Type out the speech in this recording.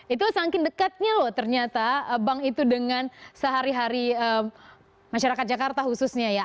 itu saking dekatnya loh ternyata bank itu dengan sehari hari masyarakat jakarta khususnya ya